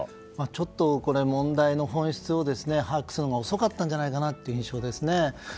ちょっと問題の本質を把握するのが遅かったんじゃないのかという印象ですね。